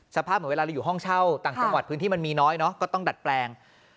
สภาพเหมือนเวลาเราอยู่ห้องเช่าต่างจังหวัดพื้นที่มันมีน้อยเนอะก็ต้องดัดแปลง